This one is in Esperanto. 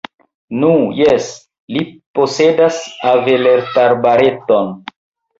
Nu, jes, li posedas aveletarbareton.